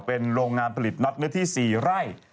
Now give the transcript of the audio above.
เป็นโรงงานผลิตน็อตเนื้อที่๔ไร่